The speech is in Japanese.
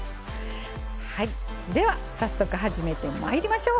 では早速始めてまいりましょう。